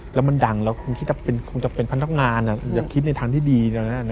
แล้วมันดังแล้วคงคิดว่าคงจะเป็นพนักงานอย่าคิดในทางที่ดี